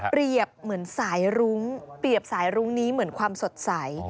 เหมือนสายรุ้งเปรียบสายรุ้งนี้เหมือนความสดใส